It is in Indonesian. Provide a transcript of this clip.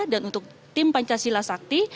dan untuk tim pancasila sakti